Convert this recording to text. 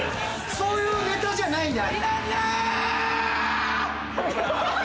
そういうネタじゃないんだ。